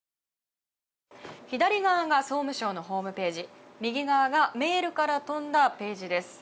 左側が総務省のホームページ右側がメールから飛んだページです。